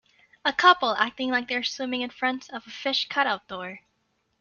A couple acting like they are swimming in front of a fish cutout door.